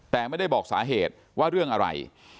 แต่ไม่ได้บอกสาเหตุว่าเรื่องอะไร